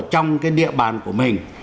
trong cái địa bàn của mình